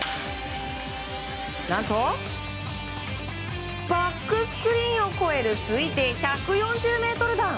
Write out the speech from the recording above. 何と、バックスクリーンを越える推定１４０ｍ弾。